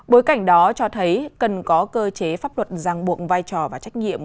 bối cảnh đó cho thấy cần có cơ chế pháp luật ràng buộc vai trò và trách nhiệm